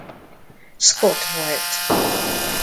Scott volt.